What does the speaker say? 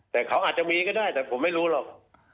แต่เขาอาจจะมีก็ได้แต่ผมไม่รู้หรอก